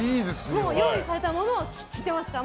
用意されたものを着てますから。